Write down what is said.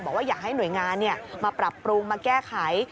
บอกว่าอยากให้หน่วยงานมาปรับปรุงมาแก้ไข